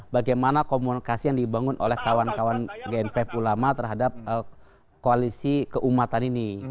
bagaimana komunikasi yang dibangun oleh kawan kawan gnpf ulama terhadap koalisi keumatan ini